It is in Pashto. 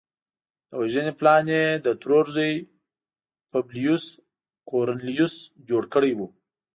د وژنې پلان یې د ترور زوی پبلیوس کورنلیوس جوړ کړی و